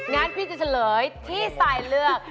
งั้นพี่จะเฉลยที่ซายเลือก